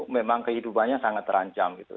soalnya sangat terancam gitu